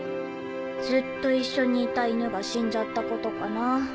ずっと一緒にいた犬が死んじゃったことかな。